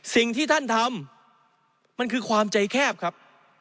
สิ่งที่ท่านทำมันคือความใจแคบครับ